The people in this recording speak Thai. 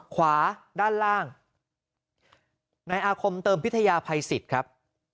ขวาด้านล่างในอาคมเติมพิทยาภัยสิทธิ์ครับ